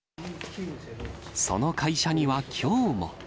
その会社にはきょうも。